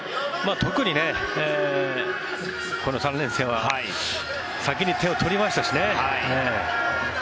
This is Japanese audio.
特にこの３連戦は先に点を取りましたしね。